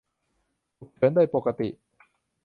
ฉุกเฉินโดยปกติ